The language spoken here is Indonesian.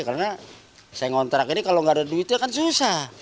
karena saya ngontrak ini kalau nggak ada duitnya kan susah